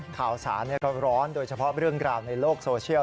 ข่าวสารก็ร้อนโดยเฉพาะเรื่องราวในโลกโซเชียล